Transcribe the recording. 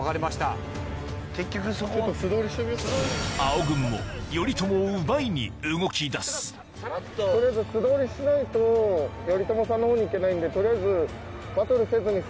青軍も取りあえず素通りしないと頼朝さんのほうに行けないんで取りあえず。